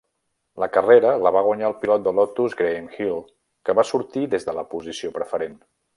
La carrera la va guanyar el pilot de Lotus Graham Hill, que va sortir des de la posició preferent.